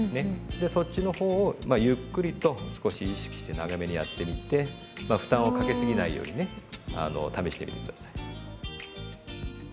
でそっちの方をまあゆっくりと少し意識して長めにやってみてまあ負担をかけすぎないようにね試してみて下さい。